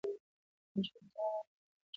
نجونې به تر هغه وخته پورې پوښتنې کوي.